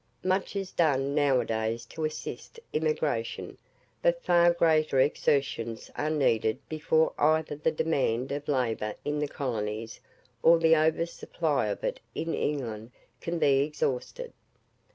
Much is done now a days to assist emigration, but far greater exertions are needed before either the demand for labour in the colonies or the over supply of it in England can be exhausted.